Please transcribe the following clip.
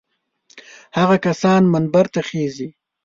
هغه کسان منبر ته خېژي.